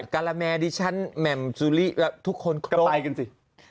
กะละแม่ดิชั่นแม่มจุลิทุกคนก็ไปกันสิ